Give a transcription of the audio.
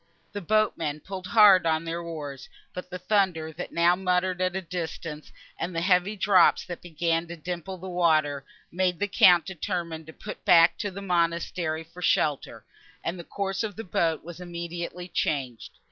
The boatmen pulled hard at their oars; but the thunder, that now muttered at a distance, and the heavy drops, that began to dimple the water, made the Count determine to put back to the monastery for shelter, and the course of the boat was immediately changed.